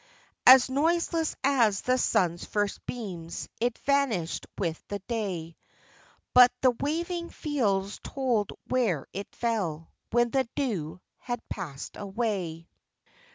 As noiseless as the sun's first beams, it vanished with the day; But the waving fields told where it fell, when the dew had passed away.